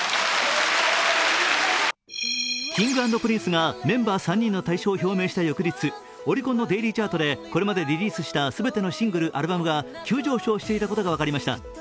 Ｋｉｎｇ＆Ｐｒｉｎｃｅｅがメンバー３人の退所を表明した翌日オリコンのデイリーチャートでこれまでリリースしたシングル、アルバムが急上昇していたこと分かりました。